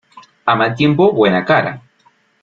A mal tiempo, buena cara.